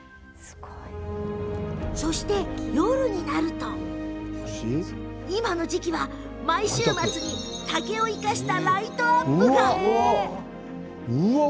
そして、夜になると今の時期は毎週末に竹を生かしたライトアップが。